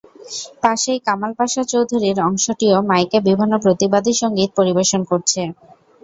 পাশেই কামাল পাশা চৌধুরীর অংশটিও মাইকে বিভিন্ন প্রতিবাদী সংগীত পরিবেশন করছে।